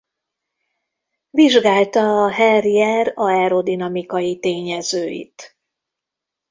Vizsgálta a Harrier aerodinamikai tényezőit.